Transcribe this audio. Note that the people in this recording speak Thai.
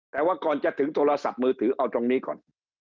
แต่ว่าก่อนจะถึงโทรศัพท์มือถือเอาตรงนี้ก่อน